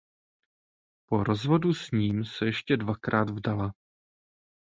Po rozvodu s ním se ještě dvakrát vdala.